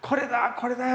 これだよ！